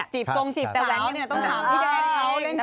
จีบทรงจีบซาวต้องถามพี่แจ้งเขาเล่นกีต้า